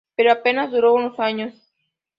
Pero apenas duró unos años.